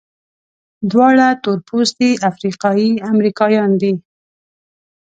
دواړه تورپوستي افریقایي امریکایان دي.